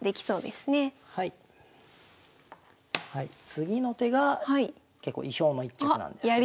次の手が結構意表の一着なんですけど。